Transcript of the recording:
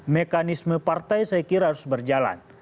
mekanisme partai saya kira harus berjalan